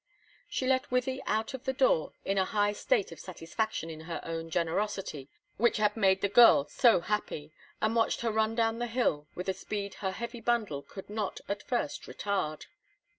She let Wythie out of the door in a high state of satisfaction in her own generosity which had made the girl so happy, and watched her run down the hill with a speed her heavy bundle could not at first retard.